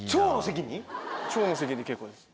長の席で結構です。